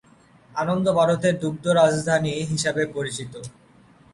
আনন্দ ভারতের দুগ্ধ রাজধানী হিসাবে পরিচিত।